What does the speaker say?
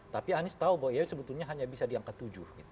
tapi anis tahu bahwa ia sebetulnya hanya bisa di angka tujuh gitu